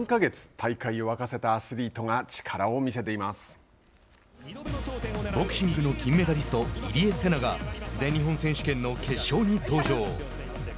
大会を沸かせたアスリートがボクシングの金メダリスト入江聖奈が全日本選手権の決勝に登場。